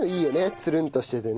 つるんとしててね。